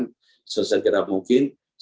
vaksin yang sudah ada di negara asalnya